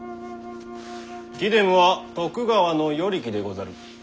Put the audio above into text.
貴殿は徳川の与力でござる。